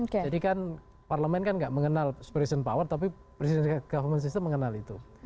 jadi kan parlemen kan gak mengenal separation power tapi presiden government system mengenal itu